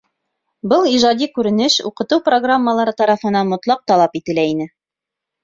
Был ижади күренеш уҡытыу программалары тарафынан мотлаҡ талап ителә ине.